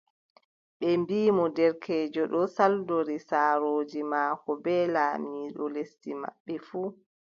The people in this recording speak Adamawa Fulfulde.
Ɓe mbii mo : derkeejo ɗo saldori saarooji maako bee lamɗo lesdi maɓɓe fuu,